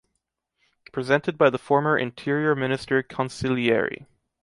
Presented by the former interior minister Cancellieri